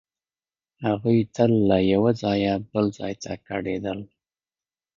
هغوی تل له یوه ځایه بل ځای ته کډېدل.